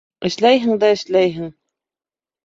- Эшләйһең дә эшләйһең!